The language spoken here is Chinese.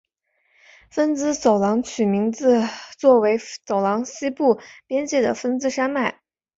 芬兹走廊取名自作为走廊西部边界的芬兹山脉。